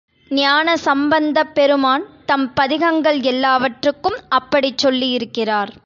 ஞானசம்பந்தப் பெருமான் தம் பதிகங்கள் எல்லாவற்றுக்கும் அப்படிச் சொல்லியிருக்கிறார்.